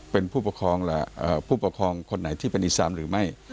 เป็นผู้ปกครองคนไหนที่เป็นอีซามหรือไม่